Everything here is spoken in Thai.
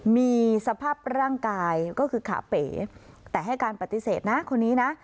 มีสภาพร่างกายก็คือขาเป๋แต่ให้การปฏิเสธนะคนนี้นะ